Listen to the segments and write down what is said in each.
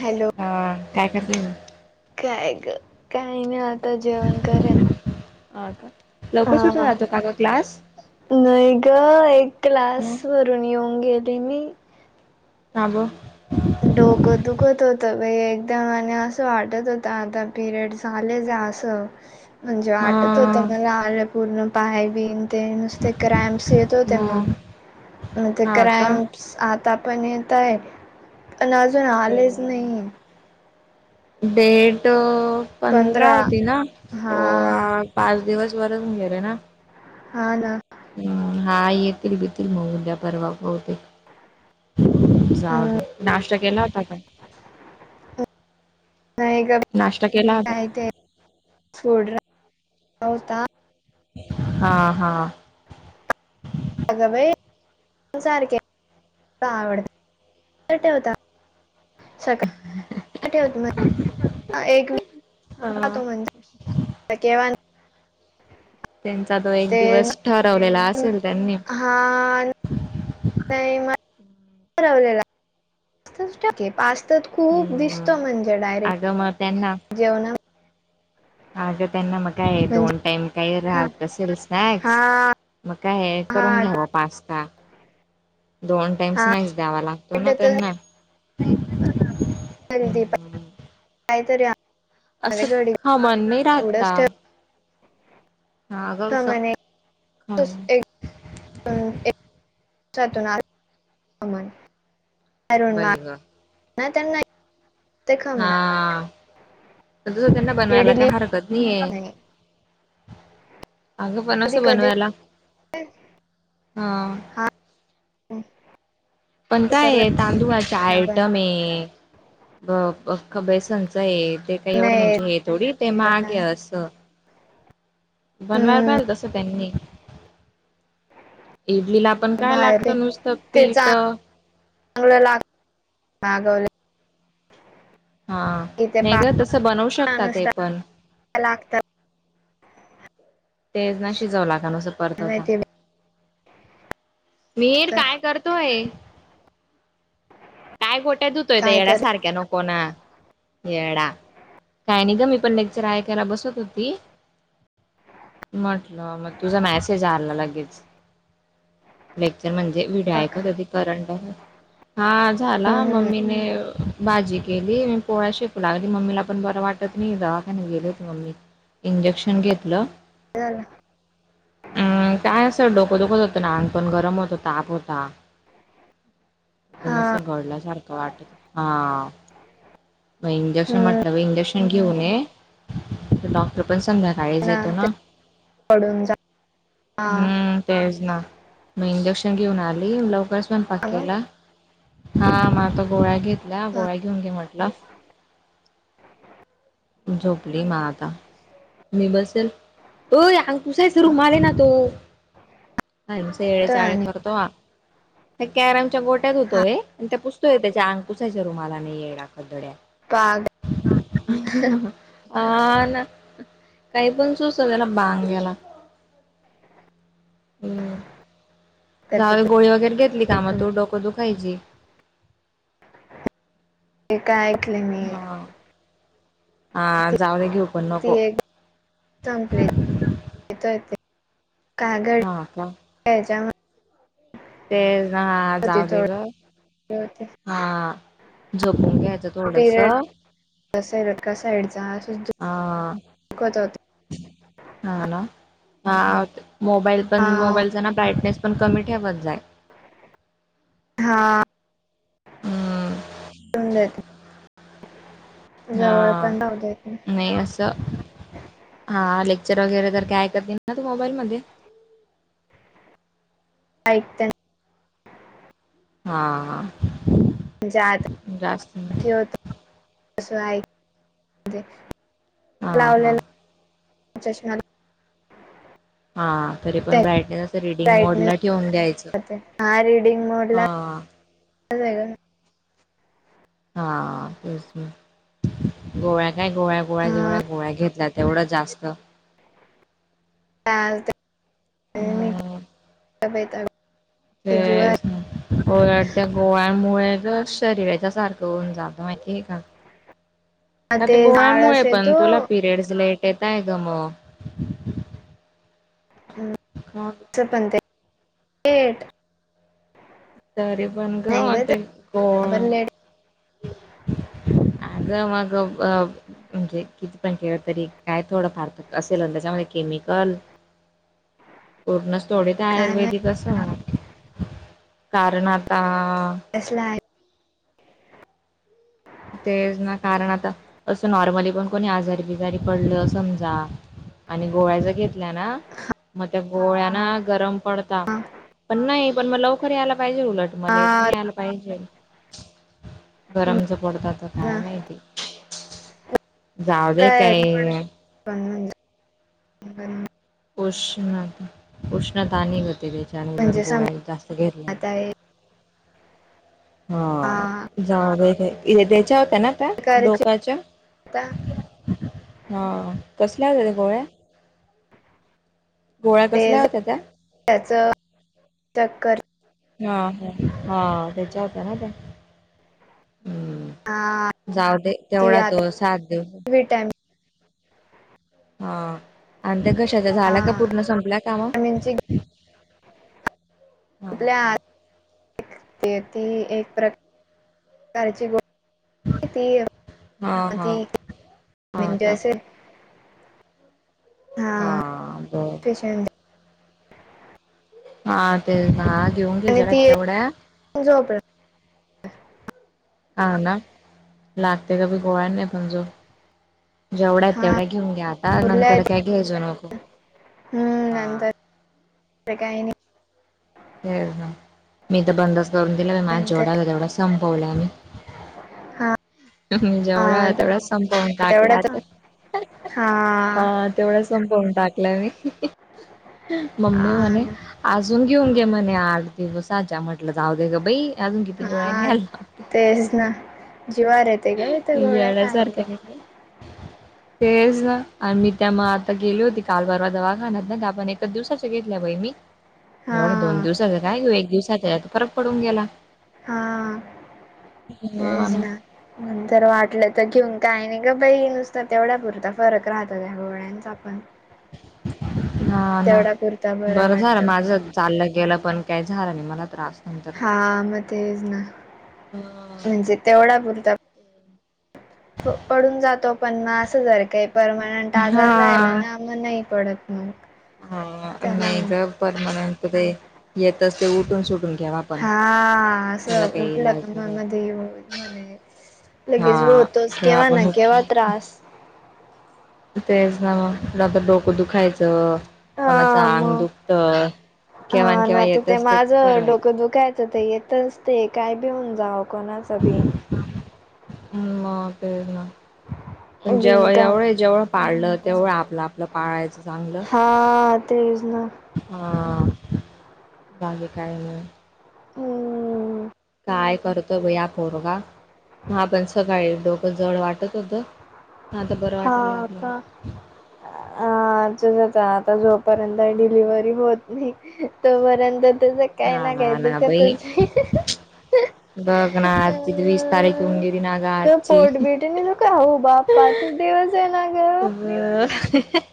Hello हा काय करताय काय ग काय नाय आता जेवण करेल. आ का लवकर सुटून हा आलता का ग क्लास नाही ग एक क्लास मग वरून येऊन गेली मी [unintelligible] आबो [unintelligible] डोकं दुखत होतं पई एकदम आणि असं वाटत होत आता पिरियड आलेच आहे असं ह [unintelligible] म्हणजे वाटत होत मला आलं पूर्ण पाय बिन [unintelligible] ते नुसते क्राईमस येत होते मग म ते हा का क्राईम [unintelligible] आता पण हे ताई [unintelligible] बनवा म डेट [unintelligible] पंधरा होती ना हा सोळा पाच दिवस वरच होऊन गेले ना [unintelligible] हा ना [unintelligible] हम हा येतील बितील मग उद्या परवा बहुतेक [unintelligible] जाऊदे नाही नाष्टा केला होता का [unintelligible] नाही ग बई का नाश्ता केला होता काय ते सोडा आणला होता [unintelligible] हा हा [unintelligible] अग बाई कुठं सारखे दहा वेळेला कुठे ठेवता [unintelligible] सकाळी [unintelligible] [inaudible] [unintelligible] त्यांचा तो एक ते दिवस ठरवलेला न- असल त्यांनी [unintelligible] हा नाही मला [inaudible] ठरवलेला [unintelligible] दिसतो की पास्ता खूप हम्म दिसतो म्हणजे अगं मग त्यांना डायरेक्ट जेवणा मध्ये [unintelligible] अगं त्यांना म काय दोन म्हणजे टाइम काही राहत असेल हा स्नॅक्स [unintelligible] मग काय आहे हा करून घ्यावा पास्ता [unintelligible] दोन टाईम हा स्नॅक्स द्यावा लागतो ना त्यांना [unintelligible] म्हणली बाई हम्म कायतरी आणतो [unintelligible] असं खा मन नाही राहता पुढंच ठेव [unintelligible] त असं म्हणे एक खमण दिवस [inaudible] [unintelligible] एक दिवसातून आड [inaudible] [unintelligible] [inaudible] नाय बाई ग त्यांना [inaudible] [unintelligible] हा [inaudible] त्यांना बनवायला काय इडली हरकत नय्याय नाही [unintelligible] अगं पण कधी असं कधी बनवायला हा [unintelligible] हा पण ते काय तर आहे तांदूळाचे लग्न पण आयटम हे [unintelligible] पख बेसनच हे ते [unintelligible] ते एवढं नाही म्हणजे थोडी ते आता महाग हे काय असतं [unintelligible] बनवायला पाहिल हम्म तस त्यांनी पी. जी ला [unintelligible] पण काय बाहेर ते लागतं नुसतं पीठ [unintelligible] मागवाव लागत मागवलाय [unintelligible] हा कि ते नाहीे पाच ग तसं बनवू शकतात हे नुसतं पण [unintelligible] लागतात [unintelligible] तेचना शिजवाव लागाल आस काय परतवता [unintelligible] माहिती मिहिर तर काय करतोय काय गोट्या धुतोय [unintelligible] धुतोय ते काय येड्या तरी सारख्या नको [unintelligible] नको ना येडा काय ग मी पण लेक्चर ऐकायला बसत होती [unintelligible] म्हटलं मग तुझा मॅसेज आला लगेच [unintelligible] लेक्चर म्हणजे विड बघ ऐका कधी करंट आहे हा झाला हम्म मम्मीने भाजी केली म पोळ्या शिकू लागली मम्मीला पण बरं वाटत नाही दवाख नाही गेले होत मम्मी [unintelligible] इंजेक्शन घेतलं [unintelligible] बदल [unintelligible] अम काय असं डोकं दुखत होतं ना अंग पण गरम होतं ताप होता [unintelligible] एकद हा आस गळ्यासारखं वाटत हा [unintelligible] म इंजेक्शन हम्म म्हटलं इंजेक्शन घेऊन ये तर डॉक्टर पण संध्याकाळी [unintelligible] नाईज येतो ना पडून जा आ हम्म तेच ना म इंजेक्शन घेऊन आली लवकर स्वयंपाक हा मग केला. हा म आता गोळ्या घेतल्या हा, गोळ्या घेऊन घे म्हटलं. झोपली म आता. मी बसे ल. अय आंग पुसायचा रूमाल आहे ना तो आमचे येतोय चाळे आणि करतो आ त्या कॅरमच्या गोट्या हा धुतोय आणि त्या पुसतोय त्याच्या आंग पुसायच्या रुमालानी येडा गधड्यां काग अ ना काही पण सुचतन बांग्यांला हम्म त्याचं जावून ते गोळी वगैरे घेतली का म होतो तू डोक दुखायची. ते काय खर नाय ये. आ जाऊय घेऊ पण ती नको. एक संपलीेत विचारते कागड हा का? त्याच्या म ते जा होती जाऊ दे ग थोडी होती हा झोपून घ्यायच. पिरेड कसंय कसंय जाज - आं हा ना हा ते मोबाईल पण हा मोबाईलचां ना ब्राईटनेस पण कमी ठेवत जाय. हा हम्म करून देते जवळ पण राहू देत नाय त हा लेक्चर वगैरे जर काय ऐकत नाही ना ती मोबाईल मध्ये ऐकते हा हा जा आत जास्त ठेवतो जाय द हा हा. लावलेला चष्मा हा तरी पण त्याची ब्राईटनेस असं रीडिंग मोड ला ठेवून द्यायचं. रीडिंग मोडला हा. -काय वेगळं हा तेच न गोळ्या काय गोळ्या गोळ्या हा, जेवढ्या गोळ्या घेतल्या तेवढ्या जास्त चालत हम्म तब्बेत तुझी व्हय गोळ्या त्या गोळ्यामुळे तर शरीराच्या सारखं होऊन जात माहिती आहे का? मं ते गोळ्यामुळे आळस पण येतो तुला पिरियड्स लेट येताय ग म हूं हा ग चपण ते नीट तरी पण ग ते गोळ्या बरोबर लेट आग मग पब म्हणजे किती पण केलं तरी काय थोडं फार तर असेल न त्याच्यामध्ये केमिकल पूर्णच थोडे ते काय माहिती आयुर्वेदिक असत म्हणा कारण आता कसला हाय ते ना कारण आता असं नॉर्मली पण कोणी आजारी बिजारी पडलं समजा आणि गोळ्या ज घेतल्या ना मग त्या गोळ्या ना गरम पडता. हा, पण नाही पण म लवकर यायला पाहिजे उलट- म लेट हा नी आल पाहिजेल गरम जा पडत आता काय न, माहीती जाऊ दे तर येत काय पण - पण उष्ण उष्णता आणि होते त्याच्याने म्हणजे लडगो समजत जास्त घेरले आहे हा जा त्या्याच्या होत्या ना त्या प्रकारची डोक्याच्या आता हा कसल्या आ गोळ्या [unintelligible] गोळा ते कसला होताचा [unintelligible] त्याचं.. टक्कर [unintelligible] हा. हा.. त्याच्या होत ना ते [unintelligible] हा जाऊ दे, ती तेवढा तो.. आता सात दिवस [unintelligible] विटॅमिन हा.. आणि त्या घशाचा हा झाला का पूर्ण संपला कामा [unintelligible] विटॅमिनची हा आपल्या... येती एक.. एककारची गोष्ट [unintelligible] ती.. हा हा ती.. [unintelligible] हा का इंटर्नशिप.. [unintelligible] हा.. बर.. [unintelligible] ह.. [unintelligible] हा.. ते ना घेऊन घे जला तेवढ्या [unintelligible] जॉब [unintelligible] हा ना... लागते का की गोळ्यांनी झोप [unintelligible] जेवढ्या आहेत हा तेवढ्या घेऊन घ्या आता उरल्या नंतर काय घ्यायचं नको. हा.. [unintelligible] ते.. काही नाही. [unintelligible] ते ना मी तर बंदास्त करून दिला माझ नंतर जेवढाला तेवढा संपवला मी [unintelligible] हा. [unintelligible] जेवढा हा, आहे तेवढा संपवून टाकल्या तर हृ.. हा [unintelligible] तेवढं संपवून टाकलंय मी.. हृ.. मम्मी हा म्हणे ना. [unintelligible] अजून घेऊन घे म्हणे आठ दिवसच्या म्हटलं जाऊ दे ग बाई अजून किती गोळ्या हा घ्यायल. तेच ना.. जीवार येते ग त्या गोळ्या खायला. [unintelligible] ह [unintelligible] तेच ना आणि मी त्या मग आता गेली होती काल बवा दवाखान्यात ना तर आपण एका दिवसाच्या घेतल्या बाई मी एवढा दोन हा दिवसाचं काय घेऊ एक दिवसाच तर फरक पडून गेला. [unintelligible] हा.. तेच ना नंतर वाटलं तर घेऊन काय नाही [unintelligible] ग बाई नुसत तेवढ्या पुरता फरक राहत त्या गोळ्यांचा पण [unintelligible] ह.. ना तेवढा [unintelligible] पुरता बरं झालं वाटतं माझं चाललं गेलं पण काही झालं नाही मला त्रास नंतर [unintelligible] हा.. म [unintelligible] तेच ना.. म्हणजे तेवढा पुरत [unintelligible] पडून जातो पण म असं जर काही परमानंट आजार राहिला हा ना [unintelligible] म.. नाही पडत मग [unintelligible] हा.. त्याला नाही मग ग परमानंट ते येतच ते उठून सुटून घ्यावा. [unintelligible] हा.. त्याला असं काही उठलं इलाज नाही कामा राहत. म हे होईल म्हणे [unintelligible] लगेच हा होतोस किंवा केव आपण ना केव हुकी त्रास [unintelligible] तेच ना मग.. ल डोकं दुखायचं [unintelligible] कोणाच हा आंग मग दुखत.. केव्हा- हा केव्हा ना तर येतच ते माझं खरंय. [unintelligible] डोकं दुखायचं ते येतच ते काय बिऊन जाव कोणाचं बी [unintelligible] म पेरणा [unintelligible] पण जेव एवढे बिनकामाचं जेवढं पाळलं तेवढं आपलं आपलं पाळायचं चांगलं हा तेच ना हा बाकी काय नाही [unintelligible] हम्म.. [unintelligible] काय करतोय बया पोरगा.. म पण सकाळी डोकं जड वाटत होतं. [unintelligible] आता बरं हा वाटायला लागलं का.. अ.. ज आता झोप [unintelligible] पर्यंत डिलिव्हरी होत नाही तोपर्यंत तुज [unintelligible] काही ना काही हा बाई दुखतच.. ह़.. [unintelligible] बघ.. ना.. आज वीस तारीखे हून गेली ना ग आजची. हृ.. [unintelligible] का हो बापपाचच दिवस आहे ना ग [unintelligible] हो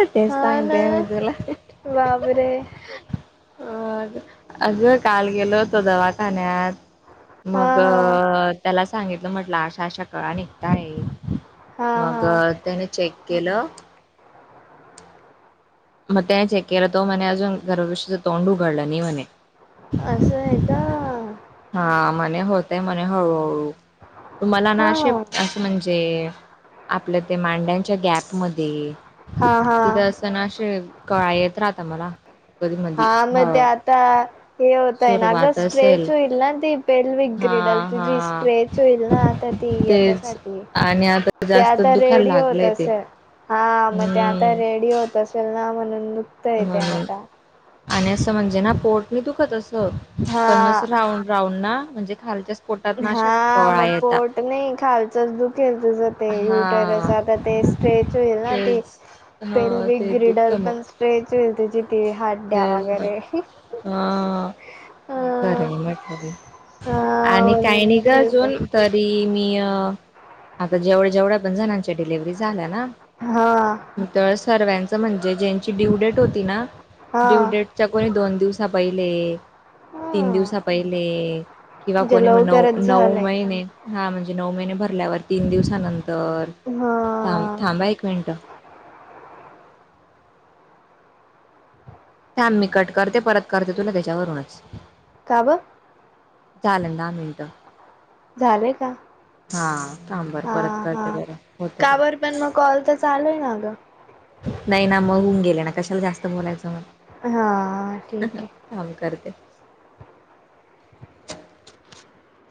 तेच हा ना सांगते मी तुला [unintelligible] बाबरे [unintelligible] अगं काल गेलो होतो दवाखान्यात [unintelligible] हा मग हा त्याला सांगितलं म्हटलं अशा अशा कळा निघता ये हा [unintelligible] हा मग त्याने चेक केलं [unintelligible] म चेक केलं त म अजून गर्भापिशवीच तोंड उघडलं नाही म्हणे [unintelligible] असं आहे का [unintelligible] हा म्हणे होतय म्हणे हळूहळू तुम्हाला हा ना असे [unintelligible] म्हणजे आपलं ते मांड्यांच्या गॅप म [unintelligible] हा हा [unintelligible] चणशे क येत राहता मला [unintelligible] हा मधी म ह ते आता हे होतय नाग सुरुवात असेल स्ट्रेच होईल ना ते [unintelligible] पेल हा विग्रिडल तुझी हा स्ट्रेच होईल ना आता ती तेच याच्यासाठी [unintelligible] आणि आता [unintelligible] ते आता दुखायला रेडिओ होत लागलंय ते असेल हा मग ते आता हम्म रेडिओ होत असेल ना म्हणून दुखतय ते म्हणून आता आणि असं म्हणजे ना पोट नाही दुखत असं हा पणच राऊंड [unintelligible] राहून ना म्हणजे खालच्या पोटात ना आशा हा कळा मग येत [unintelligible] पोट नाही खालचंच दुखेल तुझं जर [unintelligible] ते यूटरस हा आता ते स्ट्रेच होईल ना ते तेच हा पेलवीक ते दुखत ग्रीडल मग पण ट्ट्रेचूल तुझ ती हात्ड्या तेच ना वगैरे [unintelligible] हा [unintelligible] खर अ म्हटलं हा आणि काही नाही ओलंदू ग खेळते अजून [unintelligible] तरी मी आता जेवढ्या जेवढ्या पण जणांच्या डिलिव्हरी झाल्या ना [unintelligible] हा [unintelligible] तर सर्व्यांचं म्हणजे ज्यांची ड्यू डेट होती ना [unintelligible] हा ड्यू डेटच्या कोणी दोन दिवसा पहिले हा [unintelligible] तीन दिवसा पहिले किंवा म्हणजे कोणी म नऊ लवकरच नऊ झालंय महिने [unintelligible] हा म्हणजे नऊ महिने भरल्यावर तीन दिवसानंतर हा थांब थांबा एक मिनिटं [unintelligible] मी कट करते परत करते तुला त्याच्यावरूनच [unintelligible] काव [unintelligible] चालेल दहा मिनिटं [unintelligible] झालंय का [unintelligible] हा थांब बर हा परत हा करते बर होतो का [unintelligible] पण मग कॉल तर चालूय ना गं [unintelligible] नाही ना मग होऊन गेले ना कशाला जास्त बोलायचं मग [unintelligible] हा ठीक आहे [unintelligible] थांब करते [unintelligible]